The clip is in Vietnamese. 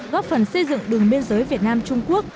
góp phần xây dựng đường biên giới việt nam trung quốc